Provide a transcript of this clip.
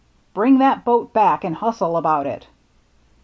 " Bring that boat back and hustle about it."